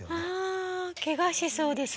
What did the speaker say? あけがしそうですね。